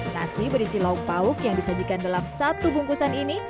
nasi berisi lauk pauk yang disajikan dalam satu bungkusan ini